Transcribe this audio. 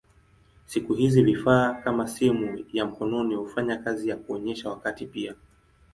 Siku hizi vifaa kama simu ya mkononi hufanya kazi ya kuonyesha wakati pia.